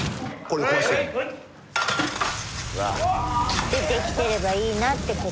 でできてればいいなってこと？